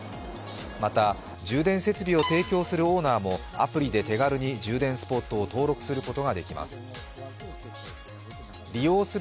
また、充電設備を提供するオーナーもアプリで手軽に充電スポットを登録することができます。